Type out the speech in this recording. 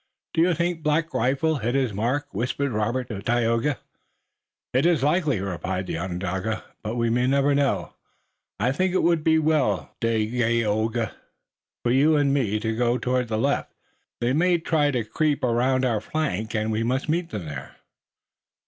"Do you think Black Rifle hit his mark?" whispered Robert to Tayoga. "It is likely," replied the Onondaga, "but we may never know. I think it would be well, Dagaeoga, for you and me to go toward the left. They may try to creep around our flank, and we must meet them there."